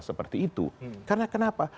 seperti itu karena kenapa